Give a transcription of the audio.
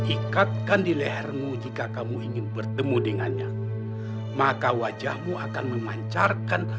ikatkan di lehermu jika kamu ingin bertemu dengannya maka wajahmu akan memancarkan